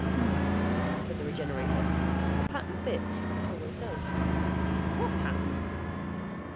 "Hmm," said the Regenerator. "The pattern fits. It always does." "What pattern?"